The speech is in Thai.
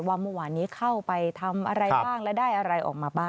ว่าเมื่อวานนี้เข้าไปทำอะไรบ้างและได้อะไรออกมาบ้าง